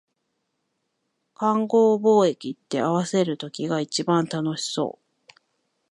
勘合貿易って、合わせる時が一番楽しそう